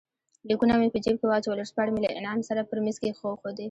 لیکونه مې په جېب کې واچول، ورځپاڼې مې له انعام سره پر مېز کښېښودې.